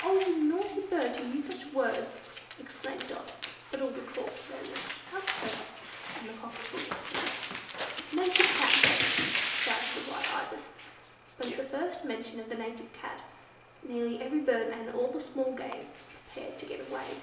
"Oh you naughty bird to use such words!" exclaimed Dot. But all the Court murmured "How clever!" and the Cockatoo was pleased. "Native Cat, next!" shouted the white Ibis. But at the first mention of the Native Cat nearly every bird, and all the small game, prepared to get away.